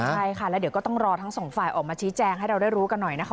ใช่ค่ะแล้วเดี๋ยวก็ต้องรอทั้งสองฝ่ายออกมาชี้แจงให้เราได้รู้กันหน่อยนะคะ